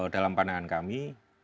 dalam pandangan kami